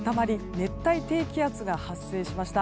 熱帯低気圧が発生しました。